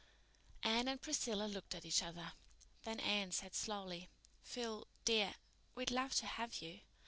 Anne and Priscilla looked at each other. Then Anne said slowly, "Phil dear, we'd love to have you.